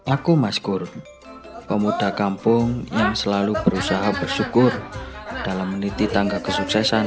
aku maskur pemuda kampung yang selalu berusaha bersyukur dalam meniti tangga kesuksesan